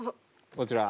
こちら。